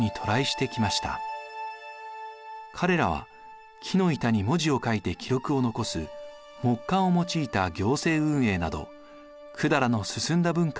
彼らは木の板に文字を書いて記録を残す木簡を用いた行政運営など百済の進んだ文化を伝えました。